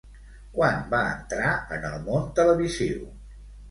Quan va entrar en el món televisiu?